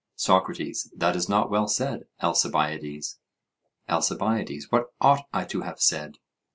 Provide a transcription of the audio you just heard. SOCRATES: That is not well said, Alcibiades. ALCIBIADES: What ought I to have said?